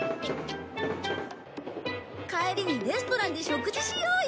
帰りにレストランで食事しようよ。